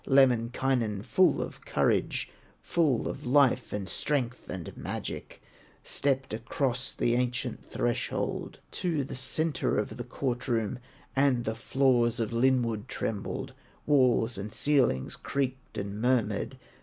Lemminkainen full of courage, Full of life, and strength, and magic, Stepped across the ancient threshold, To the centre of the court room, And the floors of linwood trembled, Walls and ceilings creaked and murmured.